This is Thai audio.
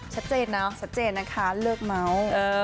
ชัดเจนนะชัดเจนนะคะเลิกเมาส์